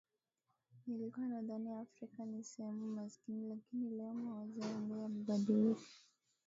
Nilikuwa nadhani Afrika ni sehemu maskini lakini leo mawazo yangu yamebadilika